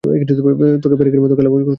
তোকে পেরেকের মতো কেলাবো, খচ্চরের বাচ্চা।